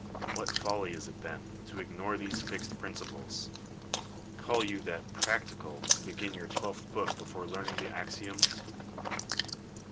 What folly is it, then, to ignore these fixed principles ! Call you that " practical " to begin your twelfth book before learning the axioms